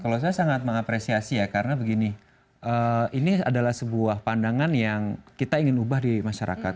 kalau saya sangat mengapresiasi ya karena begini ini adalah sebuah pandangan yang kita ingin ubah di masyarakat